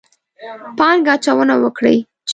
پانګه اچونه وکړي.